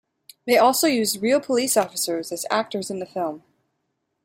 They also used real police officers as actors in the film.